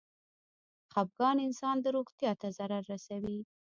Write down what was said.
خپګان انسان د روغتيا ته ضرر رسوي.